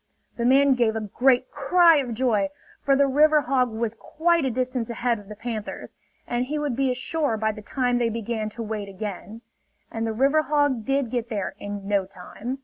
The man gave a great cry of joy; for the river hog was quite a distance ahead of the panthers, and he would be ashore by the time they began to wade again. And the river hog did get there in no time.